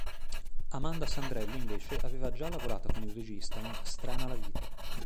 Amanda Sandrelli invece aveva già lavorato con il regista in "Strana la vita".